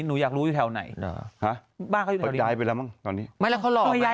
เห้อฟอิกแดยไปแล้วมั้งตอนนี้